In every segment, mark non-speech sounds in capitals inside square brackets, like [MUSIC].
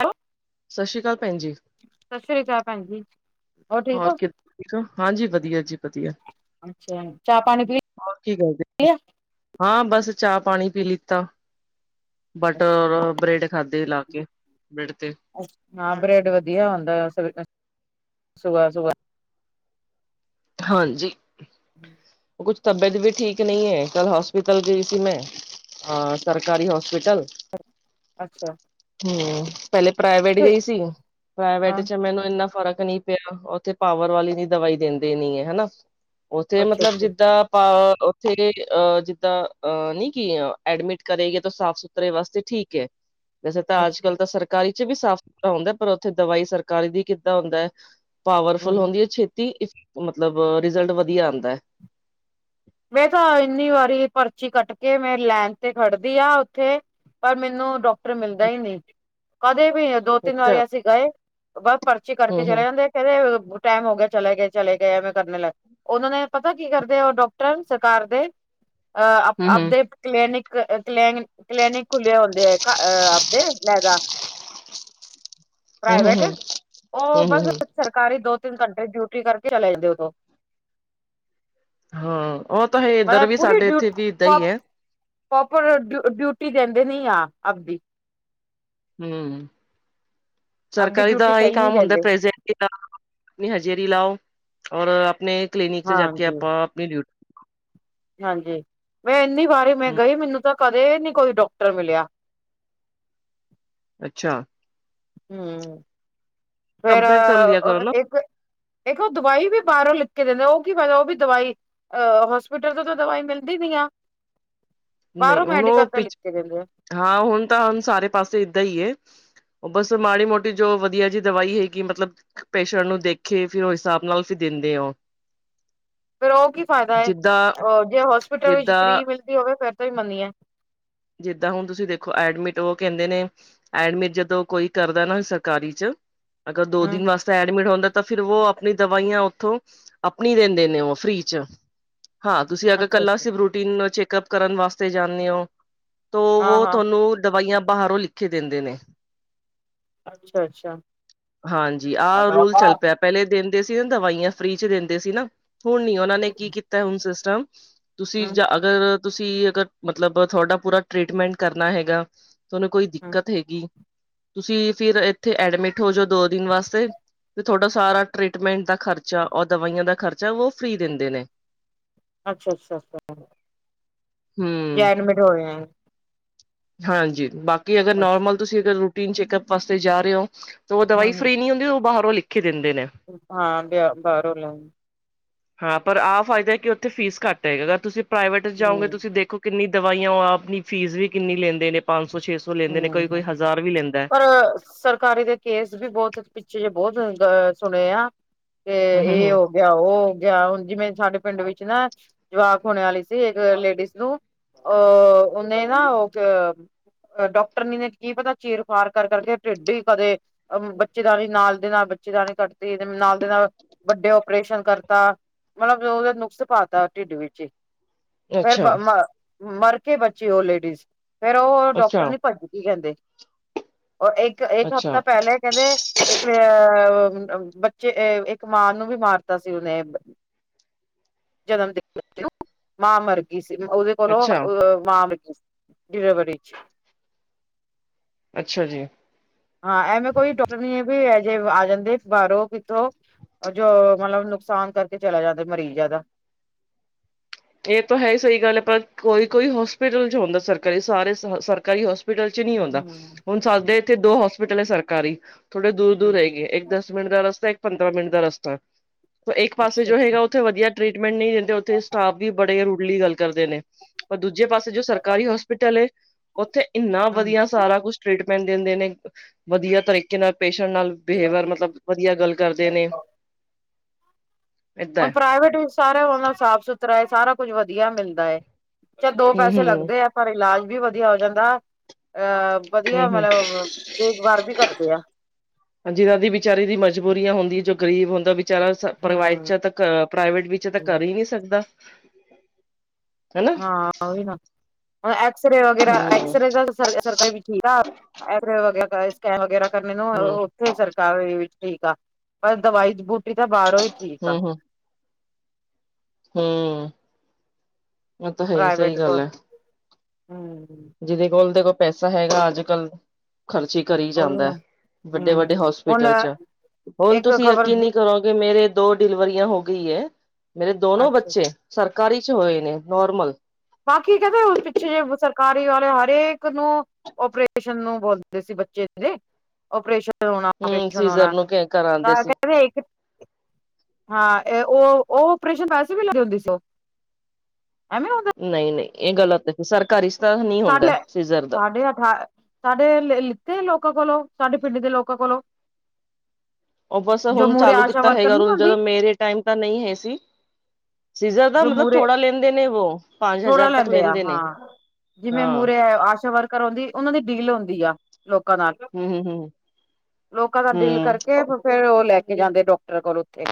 Hello ਸਤਿ ਸ਼੍ਰੀ ਅਕਾਲ ਭੈਣ ਜੀ ਸਤਿ ਸ਼੍ਰੀ ਅਕਾਲ ਭੈਣ ਜੀ ਠੀਕ ਹੋ ਹੋਰ ਕਿਦ ਠੀਕ ਹੋ ਹਾਂਜੀ ਵਧੀਆ ਜੀ ਵਧੀਆ। ਅੱਛਾ, ਚਾਹ ਪਾਣੀ ਪੀ ਹੋਰ ਕੀ ਕਰਦੇ? ਲਯਾ। ਹਾਂ, ਬਸ ਚਾ ਪਾਣੀ ਪੀ ਲਿੱਤਾ। ਬਟਰ ਅੱਛਾ ਹੋਰ ਬ੍ਰੈਡ ਖਾਦੇ ਲਾ ਕੇ, ਬ੍ਰੈਡ ਤੇ। ਹਾਂ ਬ੍ਰੈਡ ਵਦੀਆ ਹੁੰਦੈ, ਸ ਸੁਬਹਾ-ਸੁਬਹਾ ਹਾਂਜੀ। [INAUDIBLE] ਕੁਛ ਤਬੀਅਤ ਵੀ ਠੀਕ ਨਹੀਂ ਐ, ਕੱਲ ਹੋਸਪਿਟਲ ਗਈ ਸੀ ਮੈਂ ਅ ਸਰਕਾਰੀ ਹੋਸਪਿਟਲ। ਅੱਛ ਅੱਛਾ। ਹੁੰ, ਪਹਿਲੇ ਪ੍ਰਾਈਵੇਟ ਗਈ ਸੀ, ਹਾਂ ਪ੍ਰਾਈਵੇੲਤਤਟ ਚ ਮੈਨੂੰ ਇੰਨਾ ਫ਼ਰਕ ਨਹੀਂ ਪਿਆ, ਓਥੇ ਪਾਵਰ ਵਾਲੀ ਨੀ ਦਵਾਈ ਦਿੰਦੇ ਨੀ ਹੈ, ਹੈਨਾ, ਓਥੇ ਅੱਛਾ ਮਤਲਬ ਅੱਛਾ ਜਿੱਦਾਂ ਆਪਾ ਓਥੇ ਗਏ ਅ ਜਿੱਦਾਂ ਅ ਨੀ ਕਿ ਐਡਮਿਟ ਕਰੇਗੇ ਤੋ ਸਾਫ਼ ਸੁਥ ਤਰੇ ਵਾਸਤੇ ਠੀਕ ਏ। ਵੈਸੇ ਤਾਂ ਅੱਜ ਅੱਛਾ ਕੱਲ ਤਾਂ ਸਰਕਾਰੀ ਚ ਵੀ ਸਾਫ਼ ਸੁਥਰਾ ਹੁੰਦੈ, ਪਰ ਓਥੇ ਦਵਾਈ ਸਰਕਾਰੀ ਦੀ ਕਿੱਦਾਂ ਹੁੰਦਾ ਐ ਪਾਵਰਫੁਲ ਹਮ ਹੁੰਦੀ ਹੈ, ਛੇਤੀ, ਮਤਲਬ ਰਿਜ਼ਲਟ ਵਦੀਆ ਆਂਦਾ ਐ। ਮੈਂ ਤਾਂ ਇੰਨੀ ਵਾਰੀ ਪਰਚੀ ਕੱਟ ਕੇ ਮੈਂ ਲੈਨ ਤੇ ਖੜਦੀ ਆਂ ਓਥੇ ਪਰ ਮੈਨੂੰ ਡਾਕ ਟਰ ਮਿਲਦਾ ਈ ਨਈ। ਕਦੇ ਵੀ ਦੋ-ਤਿੰਨ ਅੱਛਾ ਵਾਰੀ ਅਸੀਂ ਗਏ, ਬਸ ਪਰਚੀ ਕੱਟ ਹਮ ਕੇ ਚਲੇ ਹਮ ਜਾਂਦੇ। ਕਹਰੇ ਟੈਮ ਹੋ ਗਿਆ, ਚਲੇ ਗਏ, ਚਲੇ ਗਏ ਐਵੇੈਂ ਕਰਨੇ ਲੱਗ। ਓਹਨਾਂ ਨੇ ਪਤਾ ਕੀ ਕਰਦੇ ਓਹ ਡਾਕ ਟਰ ਸਰਕਾਰ ਦੇ, ਅਹ ਆਪ ਹਮ ਆਪਦੇ ਹਮ ਕਲੈਨਿਕ ਕ ਕਲੈਨ ਕਲੈਨਿਕ ਖੁੱਲੇ ਹੁੰਦੇ ਆ ਆਪਦੇ, ਅਲੈਦਾ। ਹਮ ਪ੍ਰਾਈਵੇਟ, ਹਮ ਓਹ ਹਮ ਬਸ ਹਮ ਸਰਕਾਰੀ ਦੋ-ਤਿੰਨ ਘੰਟੇ ਡਿਊਟੀ ਕਰਕੇ ਚਲੇ ਜਾਂਦੇ ਓਦੋਂ ਹਾਂ, ਉਹ ਤਾਂ ਹੈ, ਇੱਧਰ ਮਤਲਬ ਵੀ ਪੂਰੀ ਸਾਡੇ ਡਿਊ ਇੱਥੇ ਵੀ ਇਦਾਂ ਈ ਐ। ਪ੍ਰੋਪਰ ਡਿਊ ਡਿਊਟੀ ਦੇਂਦੇ ਨੀ ਆ ਆਪਦੀ। ਹੁੰ, ਆਪਦੀ ਸਰਕਾਰੀ ਦਾ ਡਿਊਟੀ ਐਈ ਸਹੀ ਨਹੀਂ ਕੰਮ ਹੁੰਦੈ ਦਿੰਦੇ ਪ੍ਰੇਜੇਟ ਆਪਨੀ ਹਜੇਰੀ ਲਾਓ, ਔਰ ਆਪਨੇ ਕਲੀਨਿਕ ਚ ਜਾ ਕੇ, ਹਾਂਜੀ ਆਪਾਂ ਆਪਨੀ ਡਿਊਟੀ ਹਾਂਜੀ, ਮੈਂ ਐਨੀ ਵਾਰੀ ਮੈਂ ਗਈ, ਮੈਨੂੰ ਤਾਂ ਕਦੇ ਨੀ ਕੋਈ ਡਾਕਟਰ ਮਿਲਿਆ। ਅੱਛਾ। ਹੂੰ, ਫੇਰ ਕੰਪਲੇਂਟ ਕਰ ਲਿਆ ਕਰੋ ਨਾ ਇੱਕ ਦੇਖੋ ਦਵਾਈ ਵੀ ਬਾਰੋਂ ਲਿਖ ਕੇ ਦੇਂਦੇ ਐ, ਓਹ ਕੀ ਫੈਦਾ ਓਹ ਵੀ ਦਵਾਈ ਅ ਹੋਸਪਿਟਲ ਤੋਂ ਤਾਂ ਦਵਾਈ ਮਿਲਦੀ ਨੀ ਆ। ਨਹੀਂ ਬਾਰੋਂ ਹੁਣ ਉਹ ਮੈਡੀਕਲ ਤੇ ਲਿਖ ਪਿੱਛ ਕੇ ਦੇਂਦੇ ਐ। ਹਾਂ, ਹੁਨ ਤਾਂ ਹੁਨ ਸਾਰੇ ਪਾਸੇ ਇਦਾਂ ਈ ਏ। ਓਹ ਬਸ ਮਾੜੀ ਮੋਟੀ ਜੋ ਵਦੀਆ ਜਿ ਦਵਾਈ ਹੈਗੀ ਏ ਮਤਲਬ ਪੇਸ਼ੈਂਟ ਨੂੰ ਦੇਖੇ ਫੇਰ ਓਹ ਹਿਸਾਬ ਨਾਲ ਅਸੀਂ ਦੇਂਦੇ ਹੋ। [INAUDIBLE] ਫੇਰ ਓਹ ਕੀ ਫਾਇਦਾ ਏ, ਜਿੱਦਾਂ ਓ ਜੇ ਹੋਸਪਿਟਲ ਵਿੱਚ ਜਿੱਦਾਂ ਫ੍ਰੀ ਮਿਲਦੀ ਹੋਵੇ ਫੇਰ ਤੇ ਮੰਨੀਏ। ਜਿੱਦਾਂ ਹੁਨ ਤੁਸੀਂ ਦੇਖੋ ਐਡਮਿਟ ਓਹ ਕੈਂਦੇ ਨੇ ਐਡਮਿਟ ਜਦੋਂ ਕੋਈ ਕਰਦਾ ਨਾ ਸਰਕਾਰੀ ਚ, ਅਗਰ ਦੋ ਹੂੰ ਦਿਨ ਵਾਸਤੇ ਤੇ ਐਡਮਿਟ ਹੁੰਦਾ ਤਾਂ ਫਿਰ ਵੋ ਆਪਨੀ ਦਵਾਈਆਂ ਓਥੋਂ ਆਪਨੀ ਦੇਂਦੇ ਨੇ ਓਹ, ਫ੍ਰੀ ਚ। ਹਾਂ ਤੁਸੀਂ ਅਗਰ ਅੱਛਾ ਕੱਲਾ ਅੱਛਾ ਸਿਰਫ ਰੂਟੀਨ ਚੈੱਕਅਪ ਕਰਨ ਵਾਸਤੇ ਜਾਂਦੇ ਓ ਤੋ ਹਾਂ ਵੋ ਹਾਂ ਤੁਵਾਨੂੰ ਦਵਾਈਆਂ ਬਾਹਰੋਂ ਲਿਖਕੇ ਦੇਂਦੇ ਨੇ। ਅੱਛਾ ਅੱਛਾ ਹਾਂਜੀ, ਆਹ ਰੂਲ ਚੱਲ ਹੂੰ ਪਿਐ ਪਹਿਲੇ ਦੇਂਦੇ ਸੀ ਹੁਨ ਦਵਾਈਆਂ ਫ੍ਰੀ ਚ ਦੇਂਦੇ ਸੀ ਨਾ, ਹੁਨ ਨੀ। ਓਹਨਾਂ ਨੇ ਕੀ ਕੀਤੈ ਹੁਨ ਸਿਸਟਮ ਤੁਸੀਂ ਜਾਂ ਅਗਰ ਤੁਸੀਂ ਅਗਰ ਮਤਲਬ ਤੁਹਾਡਾ ਪੂਰਾ ਟ੍ਰੀਟਮੈਂਟ ਕਰਨਾ ਹੈਗਾ ਤੁਹਾਨੂੰ ਕੋਈ ਹੂੰ ਦਿੱਕਤ ਹੈਗੀ, ਤੁਸੀਂ ਫਿਰ ਇੱਥੇ ਐਡਮਿਟ ਹੋ ਜਾਓ, ਦੋ ਦਿਨ ਵਾਸਤੇ ਤੇ ਤੁਹਾਡਾ ਸਾਰਾ ਟਰੀਟਮੈਂਟ ਦਾ ਖਰਚਾ ਔਰ ਦਵਾਈਆਂ ਦਾ ਖਰਚਾ ਵੋ ਫ੍ਰੀ ਦੇਂਦੇ ਨੇ। ਅੱਛਾ ਅੱਛਾ [UNINTELLIGIBLE] ਹਮ ਵੈਰ ਮਿਟੌਨੇ ਹਾਂਜੀ ਬਾਕੀ ਅਗਰ ਨੋਰਮਲ ਤੁਸੀਂ ਅਗਰ ਰੂਟੀਨ ਚੈੱਕਅਪ ਵਾਸਤੇ ਜਾ ਰਹੇ ਓ ਤੇ ਉਹ ਹੂੰ ਦਵਾਈ ਫ੍ਰਰੀ ਨੀਂ ਹੁੰਦੀ, ਉਹ ਬਾਹਰੋਂ ਲਿਖ ਕੇ ਦਿੰਦੇ ਨੇ ਹਾਂ ਬਾਹਰੋਂ ਲੋ ਹਾਂ ਪਰ ਆਹ ਫਾਇਦਾ ਕਿ ਉੱਥੇ ਫੀਸ ਘੱਟ ਹੈ, ਅਗਰ ਤੁਸੀਂ ਪ੍ਰਾਈਵੇਟ ਹੂੰ ਜਾਓਗੇ ਤੁਸੀਂ ਦੇਖੋ ਕਿੰਨੀ ਦਵਾਈਆਂ, ਉਹ ਆਪਨੀ ਫੀਸ ਵੀ ਕਿੰਨੀ ਲੈਂਦੇ ਨੇ, ਪੰਜ ਸੌ, ਛੇ ਸੌ ਲੈਂਦੇ ਨੇ ਕੋਈ- ਕੋਈ ਹਜ਼ਾਰ ਵੀ ਲੈਂਦਾ ਅ ਸਰ ਕਾਰੀ ਦੇ ਕੇਸ ਵੀ ਬਹੁਤ, ਪਿੱਛੇ ਜਿਹੇ ਬਹੁਤ ਸੁਣੇ ਆ, ਤੇ ਹਮ ਹਮ ਇਹ ਹਮ ਉਹ ਗਿਆ ਉਹ ਗਿਆ, ਹੁਣ ਜਿਵੇਂ ਸਾਡੇ ਪਿੰਡ ਵਿੱਚ ਨਾ ਜਵਾਕ ਹੋਣੇ ਵਾਲੇ ਸੀ ਇੱਕ ਲੇਡੀਜ਼ ਨੂੰ ਉਹ ਉਹਨੇ ਨਾ ਓਧਰ- ਡੋਕਟਰਨੀ ਨੇ ਕੀ ਪਤਾ ਚੀਰ ਫਾੜ ਕਰ ਕਰਕੇ ਢਿੱਡ ਹੀ ਕਦੇ ਅ ਬੱਚੇਦਾਨੀ ਨਾਲ ਦੇ ਨਾਲ ਬੱਚੇਦਾਣੀ ਕੱਟਦੀ ਨਾਲ ਦੇ ਨਾਲ ਵੱਡੇ ਉਪਰੇਸ਼ਨ ਕਰਤਾ, ਮਤਲਬ ਉਹਦੇ ਨੁਕਸ ਪਾਤਾ ਢਿੱਡ ਵਿੱਚ ਫਿਰ ਅੱਛਾ ਵ ਮ ਮਰ ਕੇ ਬਚੀ ਉਹ ਲੇਡੀਜ਼ ਫਿਰ ਉਹ ਡੋਕ ਅੱਛਾ ਭੱਜ ਗਈ ਕਹਿੰਦੇ, ਉਹ ਇੱਕ ਇੱਕ ਅੱਛਾ ਹਫ਼ਤਾ ਪਹਿਲੇ ਕਹਿੰਦੇ ਇੱਕ ਅ, ਬੱਚੇ ਇੱਕ ਮਾਂ ਨੂੰ ਵੀ ਮਾਰਤਾ ਸੀ ਉਹਨੇ ਬ ਜਨਮ ਦਿਨ ਦੇ ਉਤਤਿਔਂ ਮਾਂ ਮਰਗੀ ਸੀ, ਉਹਦੇ ਕੋਲੋਂ, ਅੱਛਾ ਅ ਮਾਂ ਮਰ ਗਈ ਸੀ ਡਿਲੀਵਰੀ ਵਿੱਚ ਅੱਛਾ ਜੀ ਹਾਂ ਐਵੇਂ ਕੋਈ ਡੋਕਟਰਨੀ ਹੈ ਵੀ ਇਹ ਜੇ ਆ ਜਾਂਦੇ ਬਾਰੋਂ ਕਿੱਥੋਂ ਜੋ ਮਤਲਬ ਨੁਕਸਾਨ ਕਰਕੇ ਚਲਾ ਜਾਂਦਾ ਮਰੀਜ਼ਾਂ ਦਾ ਇਹ ਤਾਂ ਹੈ ਹੀ ਸਹੀ ਗੱਲ ਹੈ, ਪਰ ਕੋਈ- ਕੋਈ ਹੋਸਪਿਟਲ 'ਚ ਹੁੰਦਾ ਸਰਕਾਰੀ ਸਾਰੇ ਸਰਕਾਰੀ ਹੋਸ ਹੋਸਪਿਟਲ 'ਚ ਨੀ ਹੁੰਦਾ, ਹਮ ਹੁਣ ਸਾਡੇ ਇੱਥੇ ਦੋ ਹੋਸਪਿਟਲ ਹੈ ਸਰਕਾਰੀ, ਥੋੜੇ ਦੂਰ -ਦੂਰ ਹੈਗੇ ਇੱਕ ਦਸ ਦਸ ਮਿੰਟ ਦਾ ਰਸਤਾ, ਇੱਕ ਪੰਦਰਾਂ ਮਿੰਟ ਦਾ ਰਸਤਾ, ਤੇ ਇੱਕ ਪਾਸੇ ਅੱਛਾ ਜੋ ਹੈਗਾ ਹੂੰ। ਉੱਥੇ ਵਧੀਆ ਟ੍ਰਰੀਟਮੈਂਟ ਨਹੀਂ ਦਿੰਦੇ, ਉਥੇ ਸਟਾਫ ਵੀ ਬੜੇ ਰੁੜਲੀ ਗੱਲ ਕਰਦੇ ਨੇ, ਪਰ ਦੂਜੇ ਪਾਸੇ ਜੋ ਸਰਕਾਰੀ ਹੋਸਪਿਟਲ ਹੈ, ਉੱਥੇ ਐਨਾ ਵਧੀਆ ਸਾਰਾ ਕੁਛ ਟ੍ਰੀਟਮੈਂਟ ਦਿੰਦੇ ਨੇ, ਵਧੀਆ ਤਰੀਕੇ ਨਾਲ ਪੇਸ਼ੰਟ ਨਾਲ ਬਿਹੇਵਰ ਮਤਲਬ ਵਦੀਆ ਗੱਲ ਕਰਦੇ ਨੇ ਏਦਾਂ ਹੁਣ ਪ੍ਰਾਈਵੇਟ ਵੀ ਸਾਰਾ ਉਹਨਾਂ ਸਾਫ- ਸੁਥਰਾ ਏ ਸਾਰਾ ਕੁੱਝ ਵਧੀਆ ਮਿਲਦਾ ਏ। ਅੱਛਾ ਦੋ ਹੂੰ ਪੈਸੇ ਹੂੰ ਲੱਗਦੇ ਆ, ਪਰ ਇਲਾਜ ਵੀ ਵਧੀਆ ਹੋ ਜਾਂਦਾ, ਅ ਵਧੀਆ ਹੂੰ ਹੂੰ ਮਤਲਬ ਦੇਖਭਾਰ ਵੀ ਕਰਦੇ ਆ ਹਾਂਜੀ, ਅੱਗੇ ਵਿਚਾਰੇ ਦੀਆ ਮਜਬੂਰੀਆਂ ਹੁੰਦੀਆਂ ਜੋ ਗਰੀਬ ਹੁੰਦਾ ਵਿਚਾਰਾ ਸ ਪ੍ਰਾਈਟ ਹਮ 'ਚ ਤਾਂ ਪ੍ਰਾਈਵੇਟ ਵਿੱਚ ਤਾਂ ਕਰ ਹੀ ਨੀ ਸਕਦਾ ਹਨਾ ਹਾਂ ਉਹੀ ਨਾ, ਹੁਣ ਐਕਸਰੇ ਵਗੈਰਾ ਹੂੰ ਐਕਸਰੇ ਦਾ ਸਰ ਸਰਕਾਰ ਵੀ ਠੀਕ ਆ ਐਕਸਰੇ ਵਗੈਰਾ ਸਕੈਮ ਵਗੈਰਾ ਕਰਨੇ ਨੂੰ ਹੂੰ ਉਹ ਫੇਰ ਸਰਕਾਰੀ ਵੀ ਠੀਕ ਆ, ਪਰ ਦਵਾਈ ਬੂਟੀ ਤਾਂ ਬਾਹਰੋਂ ਹੀ ਠੀਕ ਆ ਹੂੰਮ ਪ੍ਰਾਈਵੇਟ ਕੋ, ਗੱਲ ਹੈ ਹਮ ਜਿਹਦੇ ਕੋਲ ਦੇਖੋ ਪੈਸਾ ਹੈਗਾ ਅੱਜ- ਕੱਲ ਖਰਚੀ ਕਰੀ ਉਹੀ ਜਾਂਦਾ, ਨਾ ਵੱਡੇ- ਹੂੰ ਵੱਡੇ ਹੁਣ ਹੋਸਪਿਟਲ 'ਚ ਹੁਣ ਇੱਕ ਤੁਸੀਂ ਖ਼ਬਰ ਯਕੀਨ ਨੀ ਕਰੋਗੇ, ਮੇਰੇ ਦੋ ਡਿਲਵਰੀਆਂ ਹੋ ਗਈ ਏ, ਮੇਰੇ ਦੋਨੋ ਅੱਛਾ ਬੱਚੇ ਸਰਕਾਰੀ 'ਚ ਹੋਏ ਨੇ ਨੋਰਮਲ ਬਾਕੀ ਕਹਿੰਦੇ ਉਸ ਪਿੱਛੇ, ਸਰਕਾਰੀ ਵਾਲੇ ਹਰੇਕ ਨੂੰ ਉਪਰੇਸ਼ਨ ਨੂੰ ਬੋਲਦੇ ਸੀ ਬੱਚੇ ਦੇ, ਉਪਰੇਸ਼ਨ ਹੂੰ [UNINTELLIGIBLE] ਸੀਜ਼ਰ ਨੌਣਾ ਨੂੰ ਕਰਾਂਦੇ ਸੀ ਕਾਗੇ ਇੱਕ ਹਾਂ ਏਹ ਉਹ, ਉਹ ਓਪਰੇਸ਼ਨ ਵੈਸੇ ਵੀ ਲੈਂਦੀ ਹੁੰਦੀ ਸੀ ਓਹ। ਐਵੇਂ ਔਦਾ ਨਈ-ਨਈ ਏਹ ਗਲਤ ਏ, ਸਰਕਾਰੀ ਤਾਂ ਨਹੀਂ ਹੁੰਦਾ ਕਾਰਲੇ ਸੀਜ਼ਰ ਦਾ ਸਾਢੇ ਅਠਾ ਸਾਡੇ ਲੇ ਲਿੱਤੇ ਲੋਕਾਂ ਕੋਲੋਂ, ਸਾਡੇ ਪਿੰਡ ਦੇ ਲੋਕਾਂ ਕੋਲੋਂ। ਉਹ ਬਸ ਜੋ ਹੁਨ ਮੂਹਰੇ ਚਾਲੂ ਆਸ਼ਾ ਕੀਤਾ ਵਰਕਰ ਹੈਗਾ ਨੀ ਰੂਲ, ਹੁੰਦੀ ਜਦੋਂ ਮੇਰੇ ਟਾਈਮ ਤਾਂ ਨਈ ਹੈ ਸੀ। ਸੀਜ਼ਰ ਦਾ ਜੋ ਮਤਲਬ ਮੂਹਰੇ ਥੋੜਾ ਲੈਂਦੇ ਨੇ ਵੋ, ਪਾਂਜ ਥੋੜਾ ਹਜ਼ਾਰ ਤੱਕ ਆ ਲੈਂਦੇ ਨੇ। ਹਾਂ ਜਿਵੇਂ ਹਾਂ ਮੂਹਰੇ ਆਸ਼ਾ ਵਰਕਰ ਔਂਦੀ, ਉਹਨਾਂ ਦੀ ਡੀਲ ਹੁੰਦੀ ਆ। ਲੋਕਾਂ ਨਾਲ, ਹੂੰ-ਹੂੰ-ਹੂੰ ਲੋਕਾਂ ਦਾ ਡੀਲ ਹੂੰ ਕਰਕੇ ਫੇਰ ਉਹ ਲੈ ਕੇ ਜਾਂਦੇ ਡੋਕਟਰ ਕੋਲ ਓਥੇ।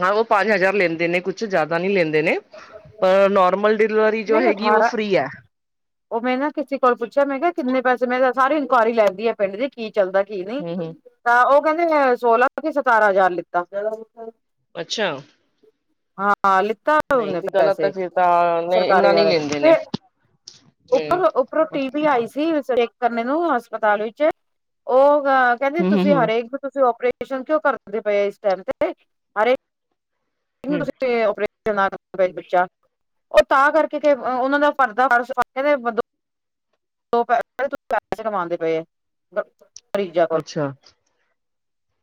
ਹਾਂ ਉਹ ਪਾਂਜ ਹਜ਼ਾਰ ਲੈਂਦੇ ਨੇ, ਕੁਛ ਜਾਦਾ ਨੀ ਲੈਂ ਦੇ ਨੇ, ਪਰ ਓ ਨੋਰਮਲ ਡਿਲਵਰੀ ਨਈ ਅਠਾਰਾ ਔਹ ਮੈਂ ਨਾ ਕਿਸੇ ਕੋਲ ਪੁੱਛੇਆ, ਮੈਂ ਕੇਆ ਕਿੰਨੇ ਪੈਸੇ? ਮੈਂ ਗਾ ਸਾਰੀ ਇਨਕੁਆਰੀ ਲੈਂਦੀ ਐ ਪਿੰਡ ਦੀ। ਕੀ ਚੱਲਦਾ, ਕੀ ਨੀ? ਹੂੰ ਹੂੰ ਤਾਂ ਉਹ ਕੇਹੰਦੇ ਏਹ ਸੋਲਾਂ ਕੇ ਸਤਾਰਾਂ ਹਜ਼ਾਰ ਲਿੱਤਾ। ਅੱਛਾ। ਹਾਂ-ਹਾਂ, ਲਿਤਾ ਨਈ ਫਿਰ ਗ਼ਲਤ ਏ ਫਿਰ ਤਾਂ ਨਹੀਂ ਇੰਨਾ ਸਰਕਾਰੀ ਨਹੀਂ ਵਾਲੇ, ਲੈਂਦੇ ਨੇ ਫੇਰ, ਉੱਪਰੋਂ-ਉੱਪਰੋਂ ਹੂੰ ਟੀਮ ਵੀ ਆਈ ਸੀ ਉਸ ਵੇਲੇ। ਕਰਨੇ ਨੂੰ ਹਸਪਤਾਲ ਵਿੱਚ, ਓਹ ਗ਼ ਕੇਹੰਦੇ ਹੂੰ ਹੂੰ ਤੁਸੀਂ ਹੂੰ ਹਰੇਕ ਨੂੰ ਤੁਸੀਂ ਓਪਰੇ ਪ੍ਰੇਸ਼ਨ ਕਉਂ ਕਰਦੇ ਪਏ ਇਸ ਟਾਈਮ ਤੇ? ਅਰੇ, ਹੂੰ ਤੁਸੀਂ ਓਪਰੇ ਤੇ ਨਾ ਕਰੇ ਇੱਕ ਬੱਚਾ। ਉਹ ਤਾਂ ਕਰਕੇ ਕੇ ਅ ਉਹਨਾਂ ਨਾਲ ਪਰਦਾ ਫ਼ਰਸ਼ [UNINTELLIGIBLE] ਦੋ ਪੈ [UNINTELLIGIBLE] ਪੈਸੇ ਕਮਾਂਦੇ ਪਏ, ਗਲਤ ਐ। ਅੱਛਾ।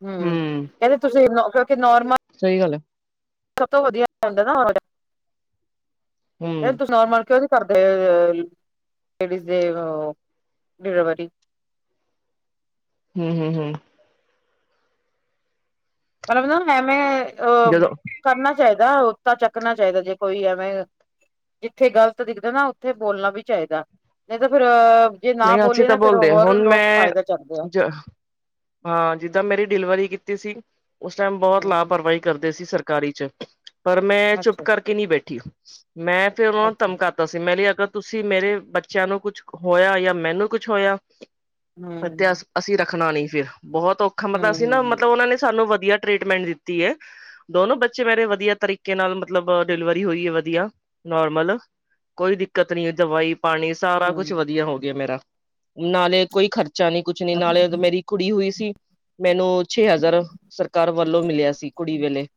ਹਮ, ਕੇਹੰਦੇ ਤੁਸੀਂ ਨ ਕਿਉਂਕਿ ਨੋਰਮਲ ਸਈ ਗੱਲ ਏ। ਸਭ ਤੋਂ ਵਦੀਆ ਗੱਲ ਏ ਨਾ [UNINTELLIGIBLE] ਹੂੰ ਫੇਰ ਤੁਸੀ ਨੋਰਮਲ ਕਉਕਿ ਕਰਦੇ ਅਅਲ ਲੇਡੀਜ਼ ਦੇ ਓ ਡਿਲਵਰੀ। ਹੂੰ-ਹੂੰ-ਹੂੰ। ਮਤਲਬ ਨਾ ਮੈਂ-ਮੈਂ ਅ ਜਦੋਂ ਕਰਨਾ ਚਾਈਦਾ, ਉ ਤਾਂ ਚੱਕਣਾ ਚਾਈਦਾ, ਜੇ ਕੋਈ ਐਵੇਂ ਜਿੱਥੇ ਗ਼ਲਤ ਦਿਖਦੈ ਨਾ, ਉੱਥੇ ਬੋਲਣਾ ਵੀ ਚਾਈਦਾ, ਨਈ ਤੇ ਫਿਰ ਅ ਨਈ ਅਸੀਂ ਤਾਂ ਬੋਲਦੇ, ਹੁਨ ਚੱਕਦੇ ਆ ਮੈਂ ਜ ਹਾਂ, ਜਿੱਦਾਂ ਮੇਰੀ ਡਿਲਵਰੀ ਕੀਤੀ ਸੀ, ਉਸ ਟੈਮ ਬੋਤ ਹਮ ਲਾਪਰਵਾਈ ਕਰਦੇ ਸੀ ਸਰਕਾਰੀ ਚ, ਪਰ ਮੈਂ ਚੁੱਪ ਅੱਛਾ ਕਰਕੇ ਨੀ ਬੈਠੀ। ਮੈਂ ਫਿਰ ਉਹਨਾਂ ਅੱਛਾ ਧਮਕਾ ਤੁਸੀਂ ਮੇਰੇ ਅਗਰ ਤੁਸੀਂ ਮੇਰੇ ਬੱਚੇਆਂ ਨੂੰ ਕੁਛ ਹੋਏਆ, ਯਾ ਮੈਨੂੰ ਕੁਛ ਹੋਏਆ ਹਮ ਵਿਦਿਆਸ ਅਸੀਂ ਰੱਖਣਾ ਨੀ ਫਿਰ, ਬਹੋਤ ਔਖਾ ਮਤਲਬ ਅਸੀਂ ਨਾ, ਹਮ ਮਤਲਬ ਉਹਨਾਂ ਨੇ ਸਾਨੂੰ ਵਦੀਆ ਟ੍ਰੀਟਮੈਂਟ ਦਿੱਤੀ ਐ। ਦੋਨੋ ਬੱਚੇ ਮੇਰੇ ਵਧੀਆ ਤਰੀਕੇ ਨਾਲ ਮਤਲਬ ਡਿਲਵਰੀ ਹੋਈ ਏ ਵਦੀਆ, ਨੋਰਮਲ। ਕੋਈ ਦਿੱਕਤ ਨੀ ਏ ਦਵਾਈ, ਪਾਣੀ ਸਾਰਾ ਕੁਛ ਹਮ ਵਦੀਆ ਹੋ ਗੇਆ ਮੇਰਾ। ਨਾਲੇ ਕੋਈ ਖਰਚਾ ਨੀ, ਕੁਛ ਨੀ, ਨਾਲੇ ਗ ਮੇਰੀ ਕੁੜੀ ਹੋਈ ਸੀ, ਮੈਨੂੰ ਛੇ ਹਜ਼ਾਰ ਸਰਕਾਰ ਵੱਲੋਂ ਮਿਲੇਆ ਸੀ ਕੁੜੀ ਵੇਲੇ,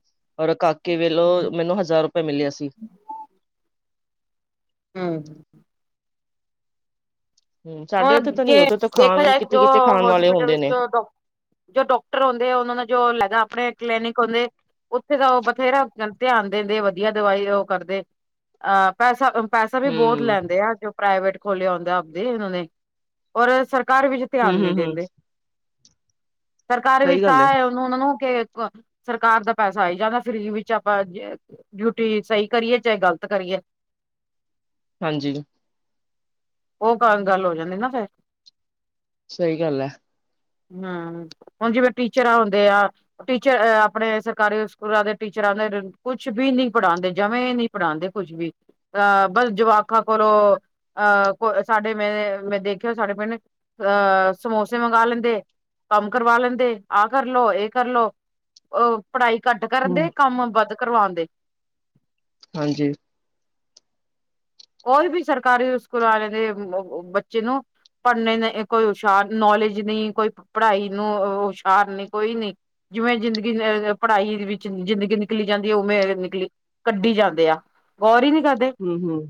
ਔਰ ਕਾਕੇ ਵੇਲੋਂ ਮੈਨੂੰ ਹਜ਼ਾਰ ਰੁਪਏ ਮਿਲੇਆ ਸੀ। ਹੂੰ। ਹਮ ਸਾਡੇ ਹੋਰ ਇੱਥੇ ਤਾਂ ਨੀ ਜੇ ਉੱਥੇ ਤਾਂ ਦੇਖਿਆ ਖਾਣ ਜਾਏ ਕਿਤੇ ਜੋ ਕਿਤੇ ਖਾਣ ਵਾਲੇ ਹੋਸਪਿਟਲ ਹੁੰਦੇ ਵਿੱਚ ਨੇ ਜੋ ਡਾਕ ਜੋ ਡਾਕਟਰ ਹੁੰਦੇ ਏ ਉਹਨਾਂ ਨਾ ਜੋ [UNINTELLIGIBLE] ਆਪਣੇ ਕਲੀਨਿਕ ਹੁੰਦੇ ਉੱਥੇ ਤਾਂ ਉਹ ਬਥੇਰਾ ਧਿਆਨ ਦਿੰਦੇ ਵਧੀਆ ਦਵਾਈ ਉਹ ਕਰਦੇ ਅ ਪੈਸਾ ਪੈਸਾ ਵੀ ਬਹੁਤ ਹਮ ਲੈਂਦੇ ਆ ਜੋ ਪ੍ਰਾਈਵੇਟ ਖੋਲਿਆ ਹੁੰਦਾ ਆਪਦੇ ਇੰਨਾਂ ਨੇ ਔਰ ਸਰਕਾਰੀ ਵਿੱਚ ਹਮ ਧਿਆਨ ਨੀ ਹਮ ਹਮ ਦੇਂਦੇ ਸਰਕਾਰੀ ਵਿੱਚ ਸਹੀ ਤਾਂ ਗੱਲ ਹੈ ਆਏ ਓ ਤੋ ਉਨ੍ਹਾਂ ਨੂੰ ਕੇ ਸਰਕਾਰ ਦਾ ਪੈਸਾ ਆਈ ਜਾਂਦਾ ਫਰੀ ਵਿੱਚ ਆਪਾਂ ਜੇ ਡਿਊਟੀ ਸਹੀ ਕਰੀਏ ਚਾਹੇ ਗ਼ਲਤ ਕਰੀਏ ਹਾਂਜੀ ਓਹ ਕੱਲ ਗੱਲ ਹੋ ਜਾਂਦੀ ਨਾ ਫੇਰ ਸਹੀ ਗੱਲ ਹੈ ਨਾ ਹੁਣ ਜਿਵੇਂ ਟੀਚਰਾਂ ਆਉਂਦੇ ਆ ਟੀਚਰ ਅ ਆਪਣੇ ਸਰਕਾਰੀ ਸਕੂਲਾਂ ਦੇ ਟੀਚਰਾਂ ਦੇ ਕੁੱਛ ਬੀ ਨਹੀਂ ਪੜ੍ਹਾਉਂਦੇ ਜਮਾਂ ਹੀ ਨੀ ਪੜਾਉਂਦੇ ਕੁੱਛ ਵੀ ਅ ਬਸ ਜਵਾਕਾਂ ਕੋਲੋਂ ਅਹ ਕੋ ਸਾਡੇ ਮੈਂ ਮੈਂ ਦੇਖਿਓ ਸਾਡੇ ਪਿੰਡ ਅਹ ਸਮੋਸੇ ਮੰਗਾ ਲੈਂਦੇ ਕੰਮ ਕਰਵਾ ਲੈਂਦੇ ਆਹ ਕਰਲੋ ਇਹ ਕਰਲੋ ਉਹ ਪੜ੍ਹਾਈ ਘੱਟ ਕਰਨ ਹਮ ਦੇ ਕੰਮ ਵੱਧ ਕਰਵਾਉਣ ਦੇ ਹਾਂਜੀ ਕੋਈ ਵੀ ਸਰਕਾਰੀ ਸਕੂਲ ਵਾਲਿਆਂ ਦੇ ਉ ਉ ਬੱਚੇ ਨੂੰ ਪੜ੍ਹਨੇ ਨੇ ਅ ਕੋਈ ਹੁਸ਼ਿਆਰ ਨੌਲੇਜ ਨਹੀਂ ਕੋਈ ਪ ਪੜ੍ਹਾਈ ਨੂੰ ਹੁਸ਼ਿਆਰ ਨਹੀਂ ਕੋਈ ਨਹੀਂ ਜਿਵੇਂ ਜ਼ਿੰਦਗੀ ਅ ਪੜ੍ਹਾਈ ਵਿੱਚ ਜ਼ਿੰਦਗੀ ਨਿਕਲੀ ਜਾਂਦੀ ਹੈ ਉਵੇਂ ਨਿਕਲੀ ਕੱਢੀ ਜਾਂਦੇ ਆ ਗੌਰ ਹੀ ਨੀ ਕਰਦੇ ਹਮ ਹਮ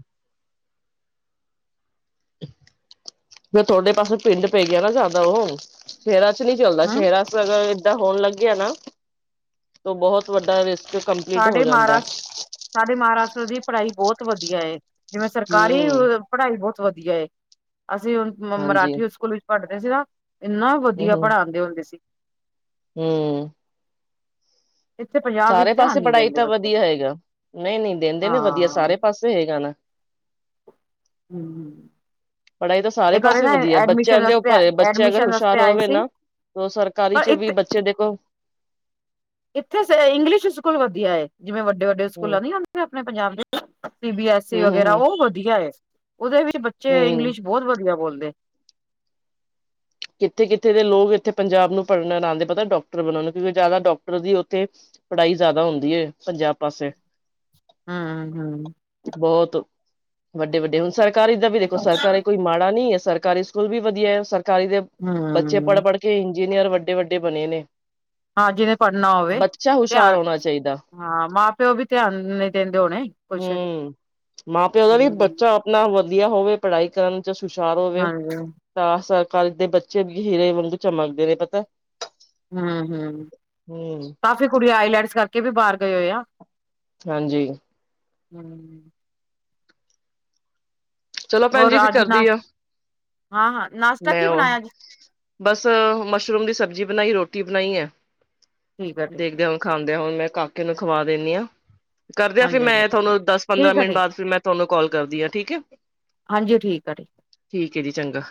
ਫੇ ਤੁਹਾਡੇ ਪਾਸੇ ਪਿੰਡ ਪੈ ਗਿਆ ਨਾ ਜ਼ਿਆਦਾ ਉਹ ਸ਼ੇਹਰਾਂ ਚ ਨਹੀਂ ਚੱਲਦਾ ਹਮ ਸ਼ੇਹਰਾ ਅਗਰ ਏਦਾਂ ਹੋਣ ਲੱਗਿਆ ਨਾ ਤਾਂ ਬਹੁਤ ਵੱਡਾ ਰਿਸਕ ਕੰਪਲੀਟ ਹੋ ਸਾਡੇ ਜਾਂਦਾ ਮਹਾਰਾਸ਼ਟਰ ਸਾਡੇ ਮਹਾਰਾਸ਼ਟਰ ਦੀ ਪੜ੍ਹਾਈ ਬਹੁਤ ਵਧੀਆ ਏ ਜਿਵੇਂ ਸਰਕਾਰੀ ਹੂੰ ਪੜ੍ਹਾਈ ਬਹੁਤ ਵਧੀਆ ਏ ਅਸੀਂ ਹੁਣ ਮ ਹਾਂਜੀ ਮਰਾਠੀ ਸਕੂਲ ਵਿੱਚ ਪੜ੍ਹਦੇ ਸੀ ਨਾ ਇੰਨਾ ਵਧੀਆ ਪੜ੍ਹਾਉਂਦੇ ਹੁੰਦੇ ਸੀ ਹਮ ਇੱਥੇ ਪੰਜਾਬ ਵਿੱਚ ਸਾਰੇ ਧਿਆਨ ਪਾਸੇ ਨੀ ਪੜ੍ਹਾਈ ਦਿੰਦੇ ਤਾਂ ਬੱਚਿਆਂ ਨੂੰ ਵਧੀਆ ਹੈਗਾ ਨਹੀਂ ਨਹੀਂ ਦਿੰਦੇ ਨੇ ਵਧੀਆ ਹਾਂ ਸਾਰੇ ਪਾਸੇ ਹੈਗਾ ਨਾ ਹਮ ਹਮ ਪੜ੍ਹਾਈ ਤਾਂ ਸਾਰੇ ਪਾਸੇ ਵਧੀਆ ਬੱਚਿਆਂ ਐਡਮਿਸ਼ਨ ਦੇ ਵਾਸਤੇ ਉੱਪਰ ਹੈ ਬੱਚੇ ਅਗਰ ਐਡਮਿਸ਼ਨ ਹੁਸ਼ਿਆਰ ਵਾਸਤੇ ਆਏ ਹੋਵੇ ਸੀ ਨਾ ਉਹ ਸਰਕਾਰੀ ਪਰ ਚ ਵੀ ਇੱਥੇ ਬੱਚੇ ਦੇਖੋ ਇੱਥੇ ਸ ਇੰਗਲਿਸ਼ ਸਕੂਲ ਵਧੀਆ ਹੈ ਜਿਵੇਂ ਵੱਡੇ ਵੱਡੇ ਹੂੰ ਸਕੂਲਾਂ ਨੀ [UNINTELLIGIBLE] ਆਪਣੇ ਪੰਜਾਬ ਦੇ ਸੀ ਬੀ ਐਸ ਈ ਹੂੰ ਵਗੈਰਾ ਹੂੰ ਉਹ ਵਧੀਆ ਏ ਉਹਦੇ ਵਿੱਚ ਬੱਚੇ ਹੂੰ ਇੰਗਲਿਸ਼ ਬਹੁਤ ਵਧੀਆ ਬੋਲਦੇ ਕਿੱਥੇ ਕਿੱਥੇ ਦੇ ਲੋਕ ਇੱਥੇ ਪੰਜਾਬ ਨੂੰ ਪੜ੍ਹਨ ਆਉਂਦੇ ਪਤਾ ਡਾਕਟਰ ਬਣਾ ਨੂੰ ਕਿਉਂਕਿ ਜ਼ਿਆਦਾ ਡਾਕਟਰ ਦੀ ਉੱਥੇ ਪੜ੍ਹਾਈ ਜ਼ਿਆਦਾ ਹੁੰਦੀ ਏ ਪੰਜਾਬ ਪਾਸੇ ਹਮ ਹਮ ਬਹੁਤ ਵੱਡੇ ਵੱਡੇ ਹੁਣ ਸਰਕਾਰੀ ਦਾ ਵੀ ਦੇਖੋ ਸਰਕਾਰੀ ਕੋਈ ਮਾੜਾ ਨਹੀਂ ਹੈ ਸਰਕਾਰੀ ਸਕੂਲ ਵੀ ਵਧੀਆ ਹੈ ਸਰਕਾਰੀ ਦੇ ਬੱਚੇ ਪੜ੍ਹ ਹੂੰ ਪੜ੍ਹ ਕੇ ਇੰਜੀਨੀਅਰ ਵੱਡੇ ਵੱਡੇ ਬਣੇ ਨੇ ਹਾਂ ਜਿਹਨੇ ਪੜ੍ਹਨਾ ਹੋਵੇ ਬੱਚਾ ਧਿਆ ਹੁਸ਼ਿਆਰ ਹੋਣਾ ਚਾਹੀਦਾ ਹਾਂ ਮਾਂ ਪਿਓ ਵੀ ਧਿਆਨ ਨਹੀਂ ਦਿੰਦੇ ਹੋਣੇ ਕੁੱਛ ਹੂੰ ਮਾਂ ਪਿਓ ਦਾ ਵੀ ਬੱਚਾ ਨਾ ਵਧੀਆ ਹੋਵੇ ਪੜ੍ਹਾਈ ਕਰਨ ਚ ਸੁਸ਼ਾਰ ਹੋਵੇ ਹਾਂਜੀ ਤਾਂ ਸਰਕਾਰੀ ਦੇ ਬੱ ਚੱਬ ਹੀਰੇ ਵਾਂਗੂੰ ਚਮਕਦੇ ਨੇ ਪਤਾ। ਹੂੰ-ਹੂੰ ਹੂੰ ਕਾਫ਼ੀ ਕੁੜੀ ਆਈਲੈਟਸ ਕਰਕੇ ਵੀ ਬਾਰ ਗਏ ਹੋਏ ਆ। ਹਾਂਜੀ। ਹੂੰ। ਚਲੋ ਭੈਨ ਹੋਰ ਜੀ ਫੇਰ ਅੱਜ ਕਰਦੀ ਨਾਸ਼ ਆ, ਹਾਂ ਹਾਂ ਨਾਸ਼ਤਾ ਮੈਂ ਕੀ ਓ ਬਣਾਇਆ ਜੀ ਬਸ ਮਸ਼ਰੂਮ ਦੀ ਸਬਜ਼ੀ ਬਨਾਈ ਰੋਟੀ ਬਨਾਈ ਐ, ਦੇਖਦੇ ਆ ਹੁਨ ਖਾਂਦੇਆਂ ਹੁਨ ਮੈਂ ਕਾਕੇ ਨੂੰ ਖਵਾ ਦਿੰਨੀ ਆਂ, ਕਰਦੇਆਂ ਫੇਰ ਹਾਂਜੀ ਮੈਂ ਹਾਂਜੀ ਤੁਆਨੂੰ ਦਸ ਪੰਦਰਾਂ ਠੀਕ ਆ ਮਿੰਟ ਠੀਕ ਬਾਦ ਫਿਰ ਮੈਂ ਤੁਆਨੂੰ ਕੌਲ ਕਰਦੀ ਆਂ ਠੀਕ ਐ। ਹਾਂਜੀ ਠੀਕ ਐ ਠੀ ਠੀਕ ਐ ਜੀ ਚੰਗਾ।